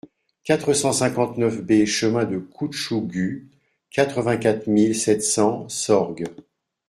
quatre cent cinquante-neuf B chemin de Coutchougus, quatre-vingt-quatre mille sept cents Sorgues